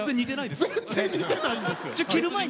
全然似てないんですよ。